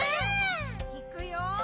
いくよ！